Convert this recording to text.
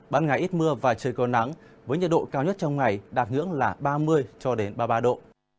bạn ngày ít mưa và trời còn nắng với nhiệt độ cao nhất trong ngày đạt ngưỡng là ba mươi cho đến ba mươi ba độ